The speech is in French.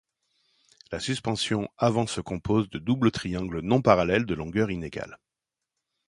La suspension avant se compose de doubles triangles non parallèles de longueur inégale.